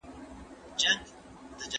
نوي لاملونه په ګوته سول.